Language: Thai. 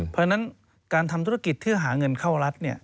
เพราะฉะนั้นการทำธุรกิจเพื่อหาเงินเข้ารัฐ